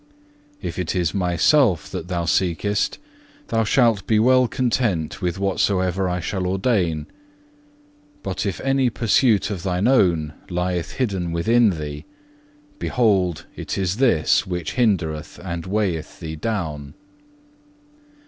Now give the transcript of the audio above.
If it is Myself that thou seekest, thou shalt be well content with whatsoever I shall ordain; but if any pursuit of thine own lieth hidden within thee, behold it is this which hindereth and weigheth thee down.